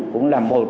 cũng là một